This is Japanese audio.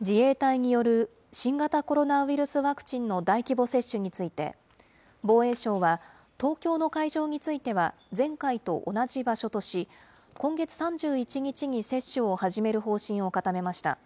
自衛隊による新型コロナウイルスワクチンの大規模接種について、防衛省は、東京の会場については、前回と同じ場所とし、今月３１日に接種を始める方針を固めました。